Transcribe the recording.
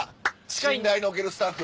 信頼のおけるスタッフ。